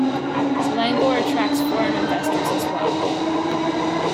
Selangor attracts foreign investors as well.